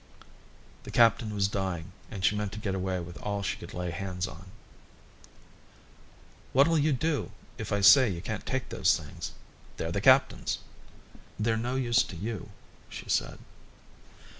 The captain was dying and she meant to get away with all she could lay hands on. "What'll you do if I say you can't take those things? They're the captain's." "They're no use to you," she said.